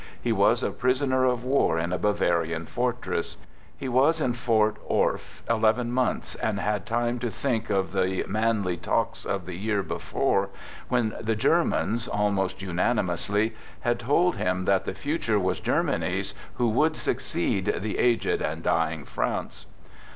He was a prisoner of war in a Bavarian fortress. He was in Fort Orff eleven months, and had time to think of the many talks of the year before, when the Germans, almost unanimously, had THE GOOD SOLDIER" 17 told him that the future was Germany's who would succeed " the aged and dying France."